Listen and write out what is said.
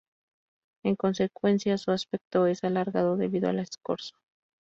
En consecuencia, su aspecto es alargado debido al escorzo.